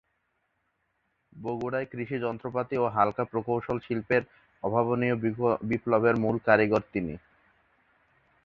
বগুড়ায় কৃষি যন্ত্রপাতি ও হালকা প্রকৌশল শিল্পের অভাবনীয় বিপ্লবের মূল কারিগর তিনি।